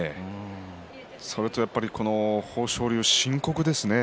それと豊昇龍は深刻ですね。